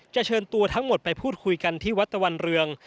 เชิญตัวทั้งหมดไปพูดคุยกันที่วัดตะวันเรือง